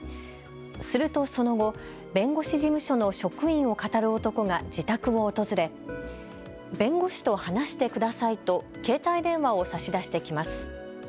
するとその後、弁護士事務所の職員をかたる男が自宅を訪れ弁護士と話してくださいと携帯電話を差し出してきます。